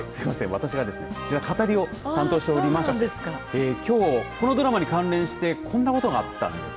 私が語りを担当しておりましてきょう、このドラマに関連してこんなことがあったんです。